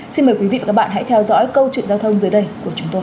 xin mời quý vị và các bạn hãy theo dõi câu chuyện giao thông dưới đây của chúng tôi